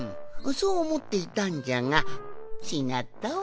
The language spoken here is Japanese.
そうおもっていたんじゃがちがったわい。